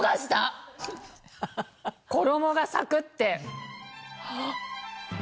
衣がサクって！